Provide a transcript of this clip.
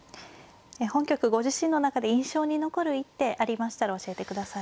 本局ご自身の中で印象に残る一手ありましたら教えてください。